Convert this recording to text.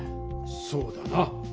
そうだな。